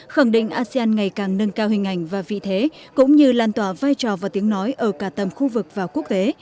khẳng định asean ngày càng nâng cao hình ảnh và vị thế cũng như lan tỏa vai trò và tiếng nói ở cả tầm khu vực và quốc tế